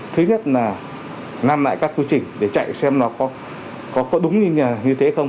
thứ nhất là làm lại các quy trình để chạy xem nó có đúng như thế không